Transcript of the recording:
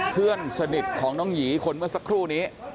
เพื่อนสนิทของน้องหยีคนเมื่อสักครู่นี้